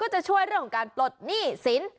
จะช่วยเรื่องของการปลดหนี้สิน